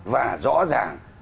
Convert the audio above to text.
và rõ ràng